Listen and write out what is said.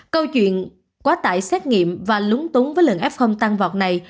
câu chuyện quá tải xét nghiệm và lúng túng với lần f tăng vọt này